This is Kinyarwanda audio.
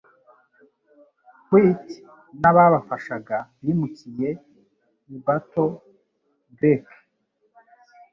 White n'ababafashaga bimukiye i Battle Creek